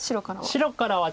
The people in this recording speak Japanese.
白からは。